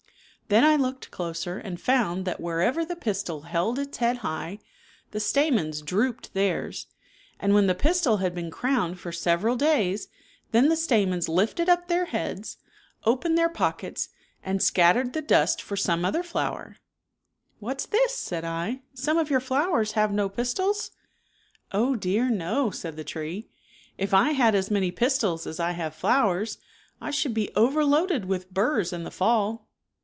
'■^''""'""•^ m ower. Then I looked closer and found that wherever the pistil held its head high, the stamens drooped 44 theirs, and when the pistil had been crowned for several days r^^^ ^a then the stamens lifted up their heads, opened their pockets and scattered the dust for some ^"■'" other flower. " What's this," said 1, " some of your flowers have no pistils ?"" Oh, dear, no," said the tree, " if I had as many pistils as I have flowers I should be overloaded with burs in the fall."